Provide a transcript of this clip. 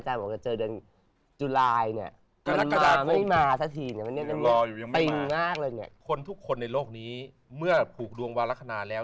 มามากเลยเนี่ยคนทุกคนในโลกนี้เมื่อแบบถูกดวงวาลคณาแล้ว